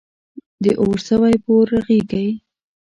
د اور سوی په اور رغیږی.